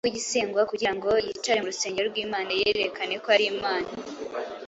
cyangwa igisengwa, kugira ngo yicare mu rusengero rw’Imana, yiyerekane ko ari Imana.”